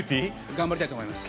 頑張りたいと思います